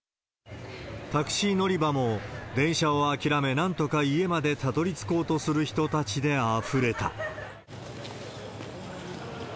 タクシー乗り場も電車を諦め、なんとか家にたどりつこうとする人たちであふれた。